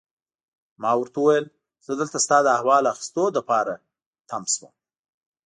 ما ورته وویل: زه دلته ستا د احوال اخیستو لپاره تم شوم.